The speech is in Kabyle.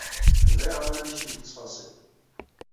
Ulayɣer ma nekcem deg ttfaṣil.